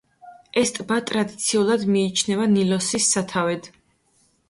ეს ტბა ტრადიციულად მიიჩნევა ნილოსის სათავედ.